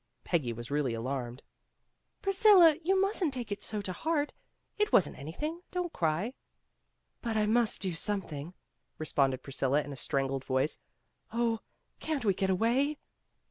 Peggy was really alarmed. "Priscilla, you mustn't take it so to heart. It wasn't anything. Don't cry." ''But I must do something," responded Pris cilla in a strangled voice. "Oh, can't we get away?"